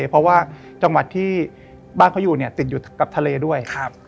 เพราะว่าจังหวัดที่บ้านเขาอยู่ติดอยู่กับทะเลด้วย